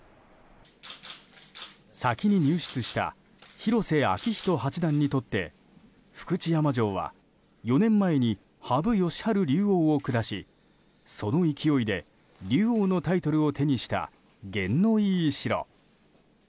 先に入室した広瀬章人八段にとって福知山城は、４年前に羽生善治竜王を下しその勢いで竜王のタイトルを手にした験のいい城。